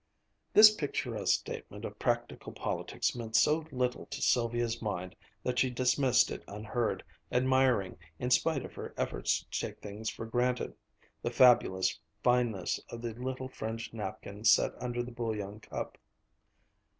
This picturesque statement of practical politics meant so little to Sylvia's mind that she dismissed it unheard, admiring, in spite of her effort to take things for granted, the fabulous fineness of the little fringed napkin set under the bouillon cup.